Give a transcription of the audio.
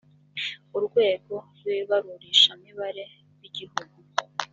urwego rw ibarurishamibare rw igihugu